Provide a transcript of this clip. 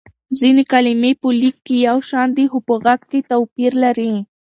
ځينې کلمې په ليک يو شان دي خو په غږ توپير لري.